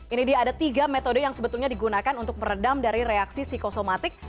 ini dia ada tiga metode yang sebetulnya digunakan untuk meredam dari reaksi psikosomatik